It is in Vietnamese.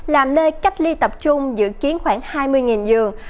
làm nơi cách ly tập trung dự kiến khoảng hai mươi giường